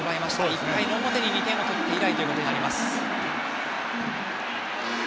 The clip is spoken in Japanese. １回の表に２点を取って以来となります。